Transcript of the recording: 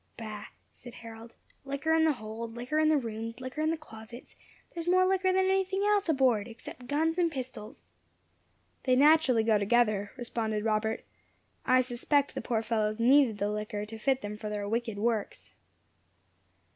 "Bah!" said Harold, "liquor in the hold liquor in the rooms liquor in the closets there is more liquor than anything else aboard, except guns and pistols." "They naturally go together," responded Robert. "I suspect the poor fellows needed the liquor to fit them for their wicked works."